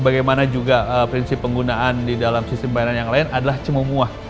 dan juga prinsip penggunaan di dalam sistem pembayaran yang lain adalah cemumuah